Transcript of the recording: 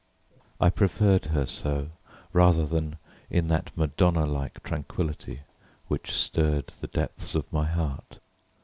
I preferred her so rather than in that Madonna like tranquillity which stirred the depths of my heart.